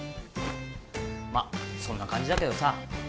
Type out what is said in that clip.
まっそんな感じだけどさ